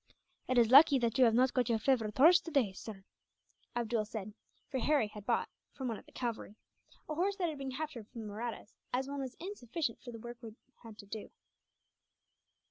"It is lucky that you have not got your favourite horse today, sir," Abdool said for Harry had bought, from one of the cavalry, a horse that had been captured from the Mahrattas, as one was insufficient for the work he had to do.